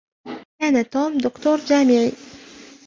كان توم دكتور جامعي.